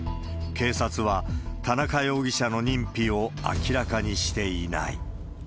警察は田中容疑者の認否を明らかにしていない。